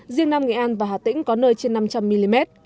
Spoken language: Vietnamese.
riêng nam nghệ an và hà tĩnh có nơi trên năm trăm linh mm